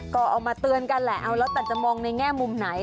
ก็เอามาเตือนกันแหละเอาแล้วแต่จะมองในแง่มุมไหน